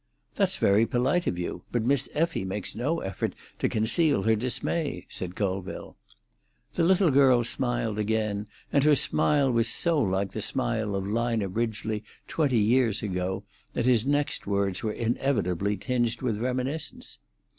"That's very polite of you. But Miss Effie makes no effort to conceal her dismay," said Colville. The little girl smiled again, and her smile was so like the smile of Lina Ridgely, twenty years ago, that his next words were inevitably tinged with reminiscence.